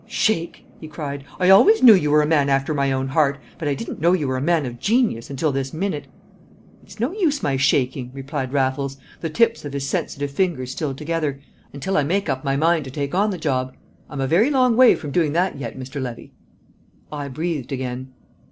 "Shake!" he cried. "I always knew you were a man after my own heart, but I didn't know you were a man of genius until this minute." "It's no use my shaking," replied Raffles, the tips of his sensitive fingers still together, "until I make up my mind to take on the job. And I'm a very long way from doing that yet, Mr. Levy." I breathed again.